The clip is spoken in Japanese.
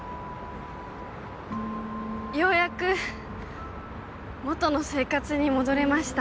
ようやく元の生活に戻れました。